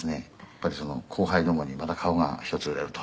やっぱり後輩どもにまた顔がひとつ売れると」